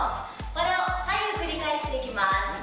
これを左右繰り返していきます。